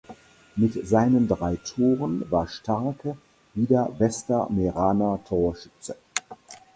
Mit seinen drei Toren war Starke wieder bester Meeraner Torschütze.